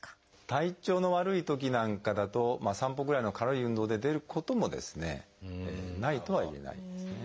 体調の悪いときなんかだと散歩ぐらいの軽い運動で出ることもないとは言えないんですね。